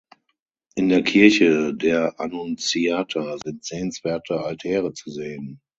In der Kirche der Annunziata sind sehenswerte Altäre zu sehen.